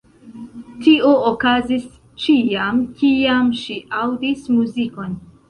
Tio okazis ĉiam, kiam ŝi aŭdis muzikon.